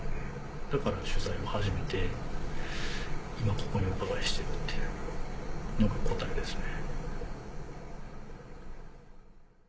だから取材を始めて今ここにお伺いしてるっていうのが答えですね。